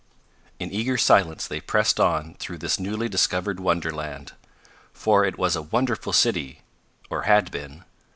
In eager silence they pressed on through this newly discovered wonderland. For it was a wonderful city, or had been.